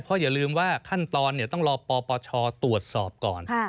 เพราะอย่าลืมว่าขั้นตอนต้องรอปปชตรวจสอบก่อน